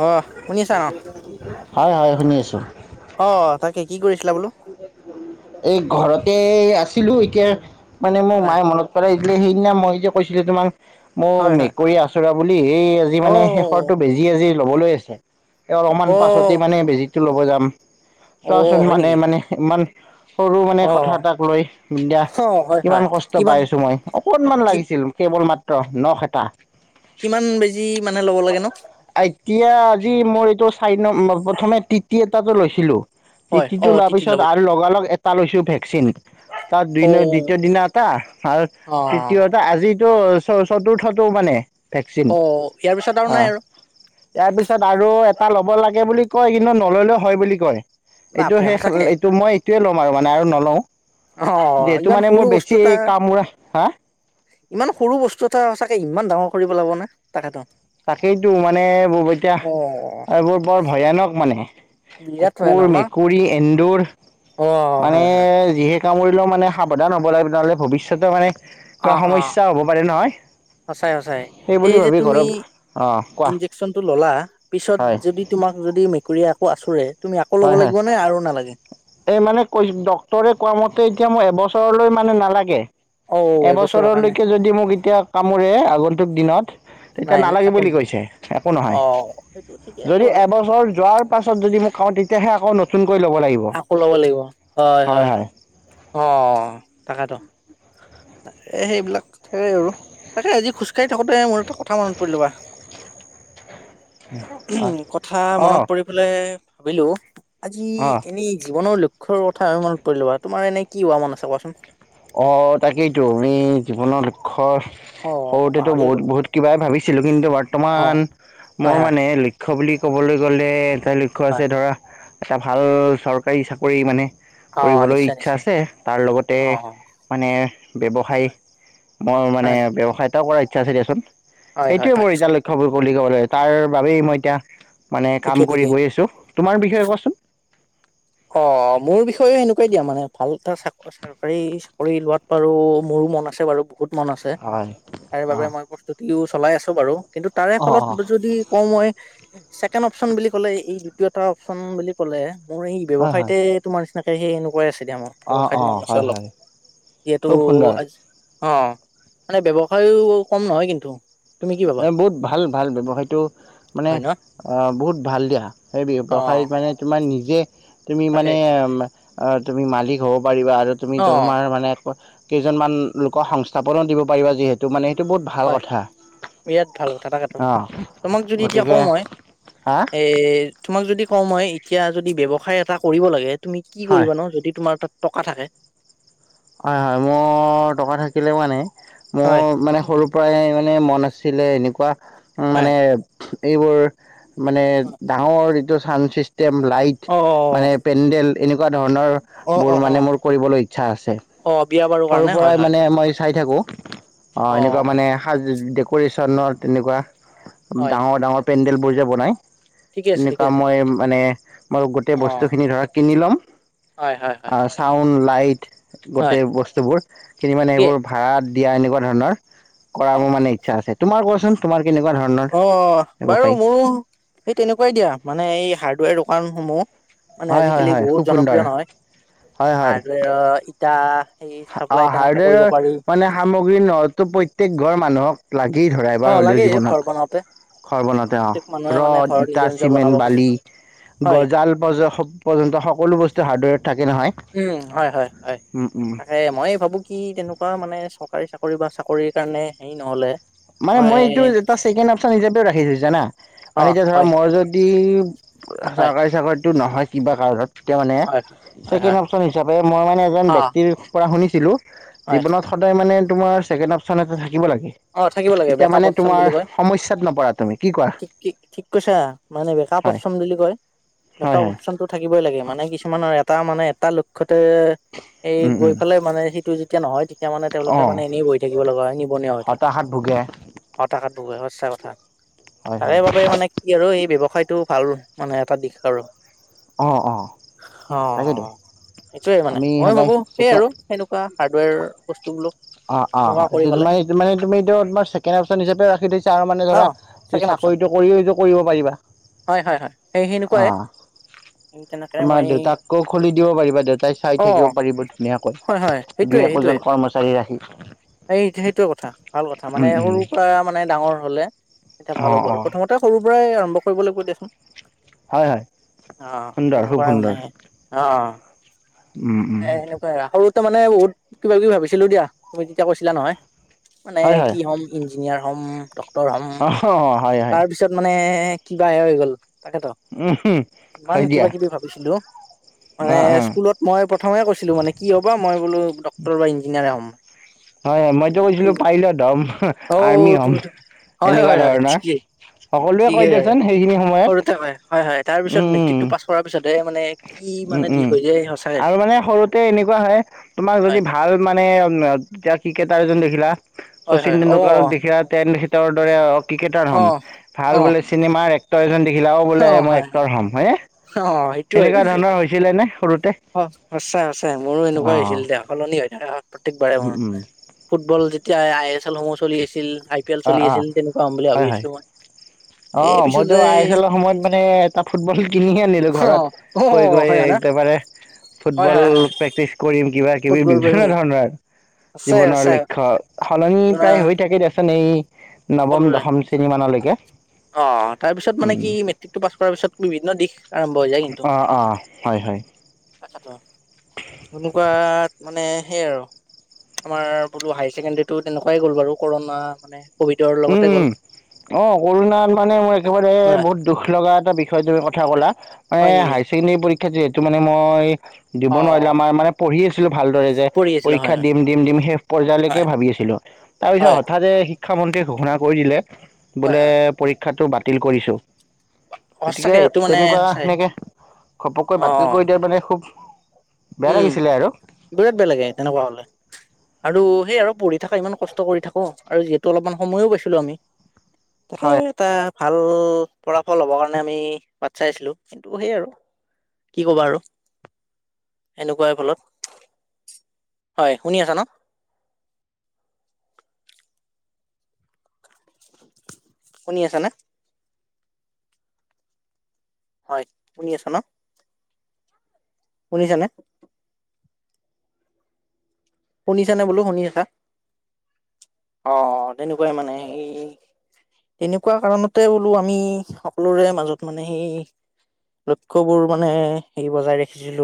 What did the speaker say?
অ', শুনিছা ন? হয় হয় শুনি আছোঁ। অ' তাকে কি কৰিছিলা বোলো? এই ঘৰতে আছিলো। এতিয়া মানে মোৰ হয়, মায়ে মনত লাই দিলে সেইদিনা মই যে কৈছিলো তোমাক, মোক হয়, হয়। মেকুৰী আচোৰা বুলি এই জি মানে শেষৰটো অ', বেজি আজি ল'বলৈ আছে। এই অলপমান পাছতে অ', মানে বেজিটো ল'ব যাম। অ', চোৱাচোন হয় মানে নেকি? মানে ইমান সৰু মানে কথা অ', এটাক লৈ, অ', হয়, হয়। কিমান কষ্ট কিমান পাই আছো মই অকনমান কি লাগিছিল কেৱল মাত্ৰ নখ এটা। কিমান বেজি মানে, ল'ব লাগে ন? এতিয়া আজি মই এইটো চাৰি নম্বৰ প্ৰথমে তিতি এটাটো লৈছিলো। হয়, টিটিটো অ', লোৱাৰ টিটি ল'ব পিছত লাগে। আৰু লগালগ এটা লৈছো ভেকচিন। তাত দুনৰ অ', দ্বিতীয় দিনা এটা, আৰু অ', তৃতীয় আজিতো চতুৰ্থটো মানে ভেকচিন ইয়াৰ পিছত আৰু অ'। নাই আৰু। ইয়াৰ পিছত আৰু এটা ল'ব লাগে বুলি কয়, কিন্তু নললেও হয় বুলি কয়। এইটো বাপৰে শেষ, সঁচাকে? এইটো মই এইটোৱে ল'ম আৰু মানে আৰু নলওঁ। অ', যিহেতটো ইমান মানে সৰু মোৰ বস্তু বেছি এটা কামোৰ হা ইমান সৰু বস্তু এটা চাগে ইমান ডাঙৰ কৰিব পেলাব নে? তাকেটো তাকেইতো মানে, এইবোৰ অ', এতিয়া এইবোৰ বৰ ভয়ানক মানে। বিৰাট কুকুৰ, ভয়ানক ন? মেকুৰী, এন্দুৰ অ', মানে হয়, হয়। যিহে কামৰিলেও মানে সাৱধ হ'ব লাগে তেনেহলে ভৱিষ্যতে মানে বা অ', অ', সমস্যা হ'ব পাৰে নহয় সঁচাই সঁচাই। এই সেইবুলি যে ভাবি তুমি ঘৰত অ'কোৱা। ইনজেকচনটো ললা পিছত যদি তোমাক যদি মেকুৰীয়ে আকৌ আচোৰে তুমি আকৌ ল'ব হয় হয় লাগিব নে আৰু নালাগে? এই মানে, কৈ ডক্টৰে কোৱা মতে এতিয়া মোৰ এবছৰলৈ মানে নালাগে। অ এবছৰৰ কাৰণে এবছৰলৈকে যদি মোক এতিয়া কামোৰে আগন্তুক দিনত নাই তেতিয়া নালাগে একো বুলি নহয় কৈছে, একো অ নহয়। সেইটো ঠিকে আছে যদি বাৰু এবছৰ যোৱাৰ ত পাছত যদি কামোৰে তেতিয়াহে আকৌ নতুনকৈ ল'ব লাগিব। আকৌ ল'ব লাগিব হয়, হয় অ', তাকেতো। তাকে সেইবিলাক সেই আৰু তাকে আজি খোজকাঢ়ি থাকোতে মোৰ এটা কথা মনত পৰিল ৰবা। উ' কথা অঁ মনত পৰি পাই ভাবিলো আজি অঁ এ জীৱনৰ লক্ষ্য কথা আমি মনত পৰিলো ৰবা, তোমাৰ এনে কি হোৱা মন আছে কোৱাচোন? অ', তাকেইতো আমি জীৱনৰ লক্ষ্য অ মই সৰুতেতো পাহৰিয়ে গ'লো বহুত-বহুত কিবাই ভাবিছিলো। কিন্তু অ বৰ্তমান হয় মোৰ হয় মানে লক্ষ্য বুলি ক'বলৈ গ'লে এটা লক্ষ্য হয় আছে ধৰা এটা হয় ভাল চৰকাৰী চাকৰি মানে অ কৰিবলৈ নিশ্চয় ইচ্ছা নিশ্চয় আছে, তাৰ লগতে অ অ মানে ব্যৱসায়, হয় মোৰ মানে হয় ব্যৱসায় এটাও কৰাৰ ইচ্ছা আছে দিয়াচোন। হয় হয় সেইটোৱে হয় মোৰ এতিয়া লক্ষবোৰ বুলি ক'ব লাগে তাৰ বাবেই মই এতিয়া মানে ঠিকে কাম কৰি ঠিকে গৈ আছো। তোমাৰ বিষয়ে কোৱাচোন? অ', মোৰ বিষয়েও সেনেকুৱাই দিয়া মানে ভাল এটা চাকৰি চৰকাৰী চাকৰি লোৱাত বাৰু মোৰো মন আছে বাৰু বহুত। মন আছে হয় তাৰে বাবোবে অ' মই প্ৰস্তুতিও চলাই আছো বাৰু। কিন্তু তাৰে ফলত অ' অ' যদি কও মই ছেকেণ্ড অপশচন বুলি ক'লে এই দ্বিতীয়টা অপশচন বুলি ক'লে মোৰ এই হয় হয় ব্যৱসায়তে তোমাৰ নিচিনাকে সেই এনেকুৱাই আছে দিয়া মোৰ অ' ব্যৱসায়টো মন অ' ন আছে হয় অলপ। হয় যিহেতু খুব সুন্দৰ আ অ', মানে ব্যৱসায়ো, কম নহয় কিন্তু তুমি কি ভাবা এ' বহুত ভাল ভাল ব্যৱসায়টো মানে, হয় ন আহ বহুত ভাল দিয়া, এই অ ব্যৱসায়ত মানে তোমাৰ নিজে তুমি তাকে মানে, তুমি মালিক হ'ব পাৰিবা আৰু তুমি অ তোমাৰ মানে কেইজনমান লোকক সংস্থাপনো দিব পাৰিবা যিহেতু তো মানে এইটো বহুত ভাল হয় কথা বিৰাট ভাল কথা তাকেতো, অ তোমাক যদি এতিয়া গতিকে কওঁ মই, হা এ' তোমাক যদি কওঁ মই এতিয়া, যদি ব্যৱসায় এটা কৰিব লাগে, তুমি কি হয় কৰিবা? ন যদি তোমাৰ তাত টকা থাকে হয় হয়, মোৰ টকা থাকিলেও মানে মোৰ হয় মানে সৰু পৰাই মানে মন আছিলে, এনেকুৱা হয় মানে এইবোৰ মানে ডাঙৰ যিটো চাউণ্ড চিষ্টেম, লাইট অ মানে পেণ্ডেল এনেকুৱা অ অ ধৰণৰবোৰ অ মানে মোৰ কৰিবলৈ ইচ্ছা আছে৷ অ' বিয়া বাৰু সৰুৰ কাৰণে হয় পৰাই হয় মানে মই চাই থাকোঁ৷ অঁ অ এনেকুৱা মানে সাজ ডেক'ৰেশ্যনৰ ন' তেনেকুৱা- হয় ডাঙৰ ডাঙৰ পেণ্ডেলবোৰ যে বনায় ঠিকে আছে ঠিকে তেনেকুৱা আছে ভাল মই মানে, মই গোটেই অ বস্তুখিনি ধৰা কিনি ল'ম হয়, হয়, হয়৷ ছাউণ্ড, লাইট হয় গোটেই বস্তুবোৰ কিনি মানে ঠিকেই সেইবোৰ ভাড়াত দিয়া এনেকুৱা ধৰণৰ কৰা মোৰ মানে ইচ্ছা আছে ৷ তোমাৰ ক'চোন তোমাৰ কেনেকুৱা ধৰণৰ অ' বাৰু ব্যৱসায়ী মোৰ সৈ তেনেকুৱাই দিয়া মানে এই হাৰ্ডৱেৰ দোকানসমূহ মানে হয় হয় আজিকালি হয় খুব বহুত সুন্দৰ জনপ্ৰিয় নহয়! হয় হয় হাৰ্ডৱেৰ ইটা, সিনি অ চাপ্লাই কেনেকৈ কৰিব হাৰ্ডৱেৰৰ পাৰি৷ মানে সামগ্ৰী নটো প্ৰত্যেক ঘৰ মানুহক লাগি ধৰাই অ এবাৰ হ'লেও লাগে ঘৰ জীৱনত৷ বনাওতে ঘৰ বনাওঁতে প্ৰত্যেক অ' মানুহে মানে ৰদ, ঘৰ ইটা, নিজৰ নিজৰ বনাব চিমেণ্ট, খোজে বালি, হয় গজাল কাল পৰ্যন্ত সকলো বস্তু হাৰ্ডৱেৰত থাকে নহয় উম হয়, হয়, উম উম হয়৷ মইে ভাবোঁ কি তেনেকুৱা মানে চৰকাৰী চাকৰি বা চাকৰিৰ কাৰণে হেৰি নহ'লে মানে মই এইটো এটা ছেকেণ্ড অপচন হিচাপেও ৰাখিছো জানা? মানে হয়, এতিয়া ধৰা হয়, মই যদি হয়, চৰকাৰী চাকৰিটো নহয় কিবা কাৰণত এতিয়া মানে হয়, ছেকেণ্ড হয়, অপচন হিচাপে মই মানে এজন অ', ব্যক্তিৰ পৰা শুনিছিলোঁ, হয়, জীৱনত সদায় মানে, তোমাৰ ছেকেণ্ড অপচন এটা থাকিব লাগে৷ অ' থাকিব লাগে তেতিয়া বেকআপ মানে অপচন তোমাৰ বুলি কয়, সমস্যাত নপৰা তুমি কি কোৱা কি ঠিক কৈছা মানে বেকআপ হয় অপচন বুলি কয়৷ হয় বেকআপ হয় অপচন টো থাকিবই লাগে মানে কিছুমানৰ এটা মানে, এটা তে, এই উম গৈ উম পেলাই মানে সেইটো যেতিয়া নহয় তেতি এতিয়া মানে তেওঁলোকে মানে এনেই বহি থাকিব লগা হয়৷ নিবনা হৈ থাক তাহাট ভোগে হতাশাত ভূগে সচাঁ কথা, হয় তাৰে হয় বাবে মানে কি আৰু এই ব্যৱসায়তো ভাল মানে এটা দিশ আৰু অঁ' অঁ' অ' তাকেতো অ' অ' সেইটোয়ে মানে আমি মই সদায় ভাবো সেই ছেকেণ্ড আৰু সেনেকুৱা হাৰ্ডৱেৰ বস্তুবলক অ অ তমাৰটো মানে তুমি এতিয়া তোমাৰ ছেকেন্দ অপশ্যন হিচাপে ৰাখি থৈছা, আৰু মানে অ ধৰা ছেকেণ্ড অপচন চাকৰিটো কৰিও এইটো কৰিব পাৰিবা৷ হয়, হয়, হয়, সেই সেনেকুৱাই অঁ তেনেকে তোমাৰ মই দেউতাকো খুলি দিব পাৰিবা৷ দেউতাই চাই অ থাকিব পাৰিব ধুনীয়াকৈ হয় হয় দুই, একোজন কৰ্মচাৰী ৰাখি সেই সেইটোৱে কথা, ভাল কথা উম মানে উম সৰুৰ পৰা মানে ডাঙৰ হলে এতিয়া অ ভাল হ'ব অ আৰু প্ৰথমতে সৰুৰ পৰাই আৰম্ভ কৰিব লাগিব দেচোন৷ হয় হয় অ, সুন্দৰ খুব তেনেকুৱাই সুন্দৰ মানে অ। উম উম এ এনেকুৱা আৰু সৰুতে মানে বহুত কিবা কিবি ভাবিছিলো দিয়া তুমি যেতিয়া কৈছিলা নহয়! মানে হয় হয় কি হ'ম ইঞ্জিনিয়াৰ হ'ম ডাক্তৰ হ'ম? অ অ হয় হয়। তাৰ পিছত মানে কিবা এ হৈ গ'ল তাকেতো! উম হম ইমান হয় দিয়া কিবা কিবি ভাবিছিলো মানে অ অ স্কুলত! মই প্ৰথমে কৈছিলো মানে কি হ'ব মই বোলো ডক্তৰ বা ইঞ্জিনিয়াৰে হ'ম মই। হয় হয় মইতো কৈছিলো পাইলট হ'ম অ আৰ্মি হ'ম তুমি হয় এনেকুৱা হয় হয় ধৰণৰ? ঠিকেই সকলোৱে কৈ ঠিকেই হয় দিয়াচোন সেইখিনি সময়ত সৰুতে হয় হয় হয় তাৰ পিছত উম মেট্ৰিকটো উম। পাছ কৰাৰ পিছতে মানে? কি উম মানে উম দিশ হৈ যায় সঁচাকে আৰু মানে সৰুতে এনেকুৱা হয় তোমাৰ হয় যদি ভ। ভাল মানে এতিয়া ক্ৰিকেটাৰ এজন দেখিলা, হয় হয় শচীন অ তেণ্ডুলকাৰক দেখিলা। তে তেঁওৰ দৰে কিকেটাৰ অ হম, অ ভাল বোলে চিনেমাৰ এক্টৰ এজন দেখিলা ও অ বোলে মই হয় এক্টৰ হ'ম, হে অ [unintelligible] আপোনাৰ হৈছিলে নে? স অ সঁচায় সঁচায় মোৰো এনেকুৱাই হৈছিল অ', দো, সলনি হয় থাকে প্ৰত্যেকবাৰে উম, মোৰ। উম, ফুটবল যেতিয়া আই এছ এলসমূহ চলি আছিল পি এল অঁ চলি অঁ আছিল তেনেকুৱা হ'ম বুলি ভাবি হয় হয় আছিলো মই এই অঁ পিছত মইতো আই যে এছ এলৰ সময়ত মানে তাত ফুটবল কিনিয়ে আনিলোঁ অ ঘৰত অ কৈ গৈ হয় না একেবাৰে হয় ফুটবল হয় হয় পিছ কৰিম কিবা কিবি ফুটবল বিভিন্ন প্ৰেমী ধৰণৰ সঁচাই জীৱনৰ সঁচাই লক্ষ্য, সলনি জীৱনৰ প্ৰায় হৈ থাকে দিয়াচোন এই সকলোৰে নৱম-দশম খিনি মানলৈকে। অ তাৰ পিছত মানে উম, কি, মেট্ৰিকটো পাছ কৰাৰ পিছত বিভিন্ন দিশ আৰম্ভ হৈ যায় কিন্তু, অ', অ', হয়, হয়, তাকেতো এনেকুৱা মানে সেইয় আৰু আমাৰ বোলো হাই ছেকেণ্ডৰীটো তেনেকুৱাই গ'ল বাৰু কৰোণা মানে কভিডৰ উম লগতে গ'ল উম অ কৰোণাত মানে মই একেবাৰে হয় বহুত দুখ লগা এটা বিষয় তুমি কথা কলা, মানে হয় নেকি হায়াৰ ছেকেণ্ডাৰী পৰীক্ষাত যিহেতু মানে মই দিব অ নোৱাৰিলো, আমাৰ মানে পঢ়ি আছিলো ভালদৰে যে। পঢ়ি আছিলো পৰীক্ষা হয় দিম দিম দিম শেষ পৰ্যায়লৈকে হয় ভাবি আছিলো। তাৰ পিছত হয় হঠাতে শিক্ষামন্ত্ৰীয়ে ঘোষণা কৰি দিলে, হয় হয় বোলে হয় পৰীক্ষাটো বাতিল কৰিছোঁ। গতিকে সঁচাকে এইটো মানে তেনেকুৱা সঁচাই সেনেকে ঘপককৈ অ বাতিল কৰি দিয়াৰ মানে খুব বেয়া উম লাগিছিলে আৰু বিৰাট বেলেগে তেনেকুৱা হ'লে। আৰু সেই আৰু পঢ়ি থকা ইমান কষ্ট কৰি থাকো আৰু যিহেতু অলপমান সময়ো পাইছিলো আমি। হয় [inaudible] ভাল ফলাফল হ'বৰ কাৰণে আমি বাট চাইছিলোঁ। কিন্তু সেই আৰু কি ক'বা আৰু। সেনেকুৱাই ফলত, হয়। শুনি আছা ন? শুনি আছ নে? হয় শুনি আছ ন? শুনিছানে? শুনিছা নে বোলো শুনিছছা? অ অ তেনেকুৱাই মানে এই তেনেকুৱা কাৰণতে বোলো আমি সকলোৰে মাজত মানে সেই লক্ষ্যবোৰ মানে সেই বজাই ৰাখিছিলো আৰু।